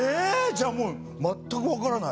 じゃあもう全くわからない。